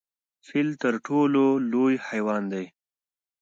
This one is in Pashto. فیل تر ټولو لوی حیوان دی؟